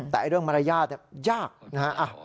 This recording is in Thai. แต่เรื่องมารยาทยากนะฮะ